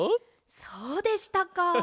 そうでしたか。